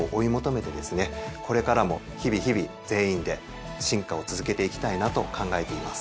これからも日々日々全員で進化を続けていきたいなと考えています。